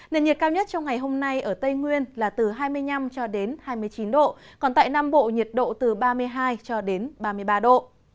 nền nhiệt cao nhất trong ngày hôm nay ở tây nguyên là từ hai mươi năm cho đến hai mươi chín độ còn tại nam bộ nhiệt độ từ ba mươi hai cho đến ba mươi ba độ